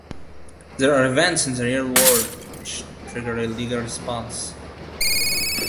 These are events in the real world which trigger a legal response.